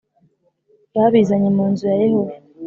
babizanye mu nzu ya Yehova